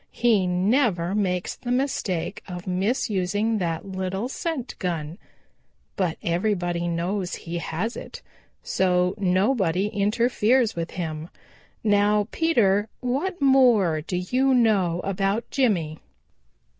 He never makes the mistake of misusing that little scent gun. But everybody knows he has it, so nobody interferes with him. Now, Peter, what more do you know about Jimmy?"